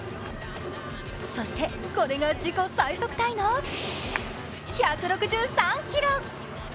そしてこれが自己最速タイの１６３キロ。